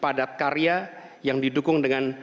pada karya yang didukung dengan